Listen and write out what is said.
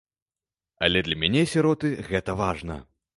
А для мяне, сіроты, гэта важна.